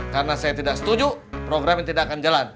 karena saya tidak setuju program ini tidak akan jalan